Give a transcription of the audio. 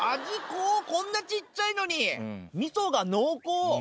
味濃い、こんなちっちゃいのに、みそが濃厚。